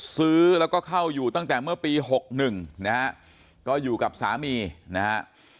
ซื้อแล้วก็เข้าอยู่ตั้งแต่เมื่อปี๖๑นะฮะก็อยู่กับสามีนะฮะ